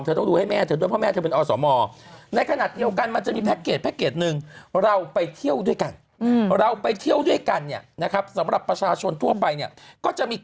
เธอต้องดูให้แม่เธอด้วยเพราะแม่เธอเป็นอสหม